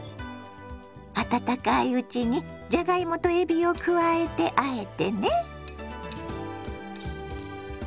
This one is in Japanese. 温かいうちにじゃがいもとえびを加えてあえてね。